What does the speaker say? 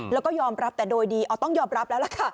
แล้วก็ยอมรับแต่โดยดีอ๋อต้องยอมรับแล้วล่ะค่ะ